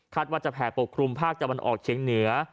ว่าจะแผ่ปกคลุมภาคตะวันออกเชียงเหนือ